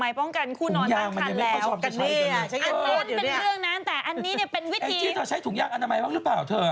หมายถึงหนูใช้ไม่เป็นแหละคุณแม่